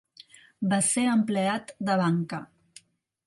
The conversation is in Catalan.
Va ser empleat de banca.